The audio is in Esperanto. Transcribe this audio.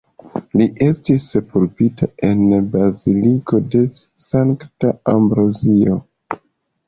Li estis sepultita en la Baziliko de Sankta Ambrozio.